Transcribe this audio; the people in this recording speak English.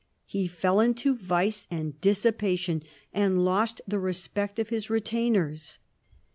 He f<>ll into vice and dissipation, and lost the respect of liis retainers.